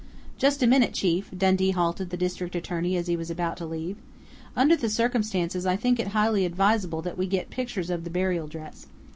"Just a minute, chief," Dundee halted the district attorney as he was about to leave. "Under the circumstances, I think it highly advisable that we get pictures of the burial dress.